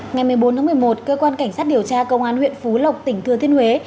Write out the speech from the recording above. ngày một mươi bốn tháng một mươi một cơ quan cảnh sát điều tra công an huyện phú lộc tỉnh thừa thiên huế